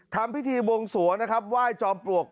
ทำพิธีบวงสวงนะครับไหว้จอมปลวก